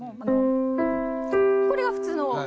これが普通の。